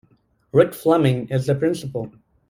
Rick Fleming is the Principal.